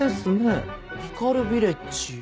ヒカルヴィレッジ。